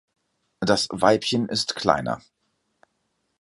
Das Weibchen ist kleiner.